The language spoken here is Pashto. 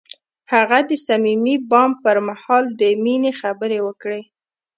هغه د صمیمي بام پر مهال د مینې خبرې وکړې.